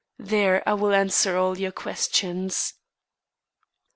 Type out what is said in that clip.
There I will answer all your questions."